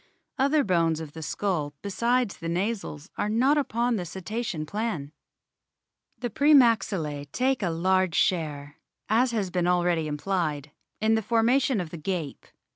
Other bones of the skull besides the nasals are not upon the Cetacean plan. The pre maxillae take a large share, as has been already implied, in the formation of the gape.